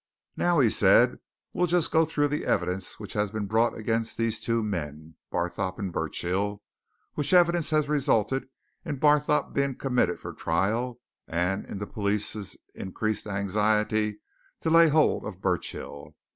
"Now," he said, "we'll just go through the evidence which has been brought against these two men, Barthorpe and Burchill, which evidence has resulted in Barthorpe being committed for trial and in the police's increased anxiety to lay hold of Burchill.